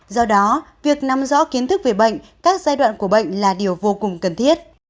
do đó việc nắm rõ kiến thức về bệnh các giai đoạn của bệnh là điều vô cùng cần thiết